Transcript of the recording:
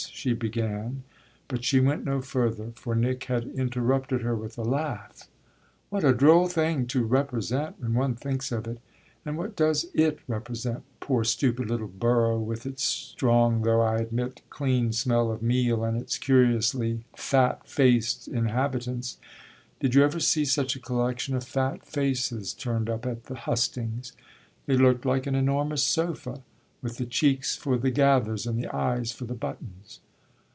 she began. But she went no further, for Nick had interrupted her with a laugh. "What a droll thing to 'represent,' when one thinks of it! And what does it represent, poor stupid little borough with its strong, though I admit clean, smell of meal and its curiously fat faced inhabitants? Did you ever see such a collection of fat faces turned up at the hustings? They looked like an enormous sofa, with the cheeks for the gathers and the eyes for the buttons."